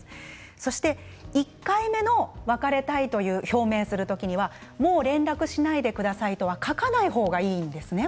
そして１回目で別れたいと表明する時にはもう連絡しないでと書かない方がいいんですね。